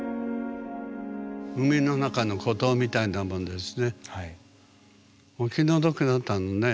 海の中の孤島みたいなものですね。